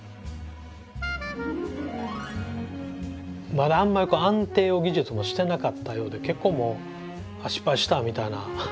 まだあんまりこう安定を技術もしてなかったようで結構もう「あっ失敗した」みたいな。